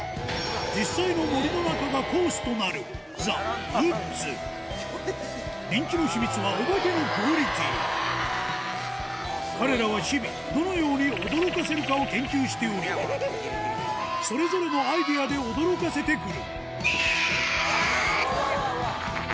実際の森の中がコースとなる人気の秘密はお化けのクオリティー彼らは日々どのように驚かせるかを研究しておりそれぞれのアイデアで驚かせてくるギャ！